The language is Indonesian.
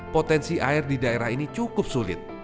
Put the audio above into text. potensi air di daerah ini cukup sulit